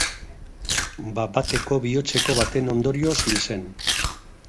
Bat-bateko bihotzeko baten ondorioz hil zen.